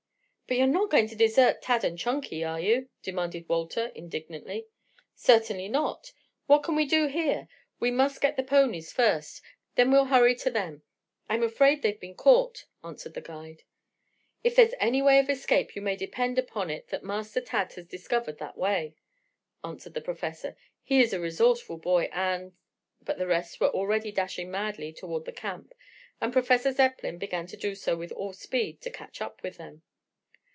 "But you're not going to desert Tad and Chunky, are you?" demanded Walter indignantly. "Certainly not. What can we do here? We must get the ponies first; then we'll hurry to them. I'm afraid they've been caught," answered the guide. "If there's any way of escape you may depend upon it that Master Tad has discovered that way," answered the Professor. "He is a resourceful boy, and " But the rest were already dashing madly toward the camp and Professor Zepplin began to do so with all speed to catch up with them.